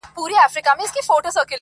سرونه رغړي ویني وبهیږي!!